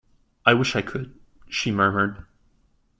"I wish I could," she murmured.